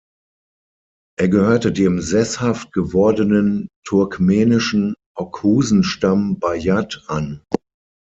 Er gehörte dem sesshaft gewordenen turkmenischen Oghusenstamm Bayat an.